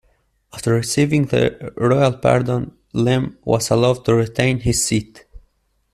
After receiving the royal pardon, Lim was allowed to retain his seat.